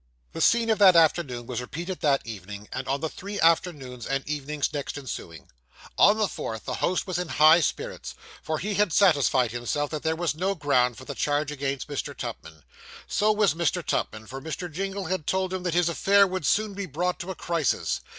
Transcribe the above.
The scene of that afternoon was repeated that evening, and on the three afternoons and evenings next ensuing. On the fourth, the host was in high spirits, for he had satisfied himself that there was no ground for the charge against Mr. Tupman. So was Mr. Tupman, for Mr. Jingle had told him that his affair would soon be brought to a crisis.